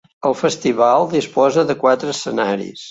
El festival disposa de quatre escenaris.